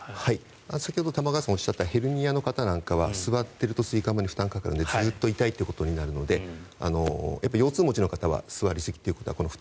先ほど玉川さんがおっしゃったヘルニアの方なんかは座っていると椎間板に負担がかかるのでずっと痛いということになるので腰痛持ちの方は座りすぎということは負担。